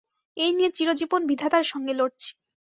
এই নিয়ে চিরজীবন বিধাতার সঙ্গে লড়ছি।